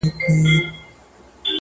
تر څلورسوه تنه زیات ونه وژل شول